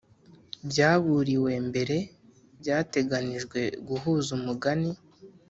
byaburiwe mbere byateganijwe guhuza umugani